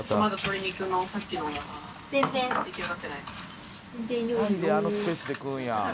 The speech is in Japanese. ２人であのスペースで食うんや。